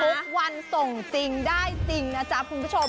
ทุกวันส่งจริงได้จริงนะจ๊ะคุณผู้ชม